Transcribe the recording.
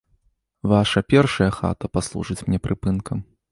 Ваша першая хата паслужыць мне прыпынкам.